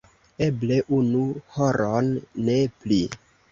Eble unu horon, ne pli.